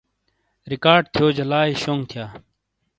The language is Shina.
کارڈ تھیو جا لائی شونگ تھیا۔